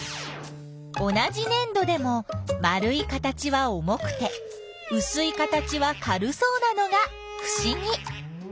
同じねん土でも丸い形は重くてうすい形は軽そうなのがふしぎ。